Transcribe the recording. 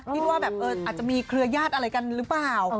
ว่าแบบอาจจะมีเครือญาติอะไรกันหรือเปล่า